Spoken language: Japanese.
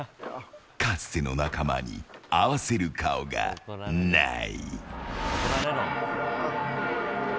かつての仲間に合わせる顔がない。